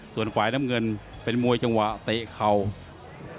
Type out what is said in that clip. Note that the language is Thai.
ส่วนฝ่ายน้ำเงินเป็นมวยจังหวะเตะเข่า